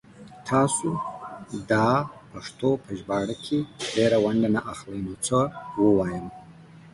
تاسو دا پښتو په ژباړه کې ډيره ونډه نه اخلئ نو څه ووايم